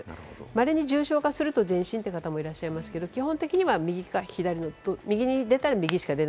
稀に重症化すると全身という方もいらっしゃいますが、基本的には右か左のどっちか。